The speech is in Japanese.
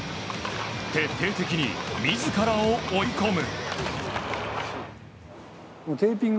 徹底的に自らを追い込む。